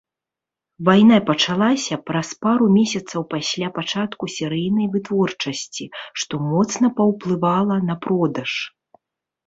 Вайна пачалася праз пару месяцаў пасля пачатку серыйнай вытворчасці, што моцна паўплывала на продаж.